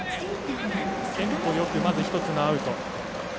テンポよく、１つのアウト。